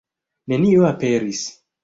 Nenio aperis.